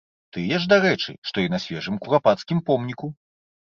Тыя ж, дарэчы, што і на свежым курапацкім помніку.